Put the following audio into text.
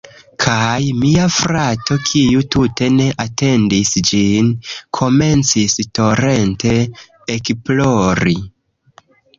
Kaj mia frato, kiu tute ne atendis ĝin, komencis torente ekplori.